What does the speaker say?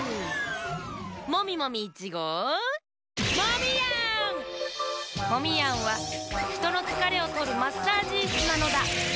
モミモミ１ごうモミヤンはひとのつかれをとるマッサージイスなのだ。